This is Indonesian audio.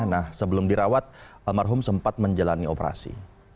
nah sebelum dirawat almarhum sempat menjalani operasi